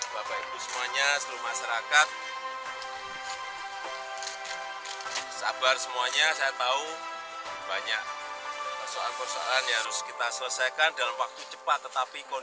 bapak ibu semuanya seluruh masyarakat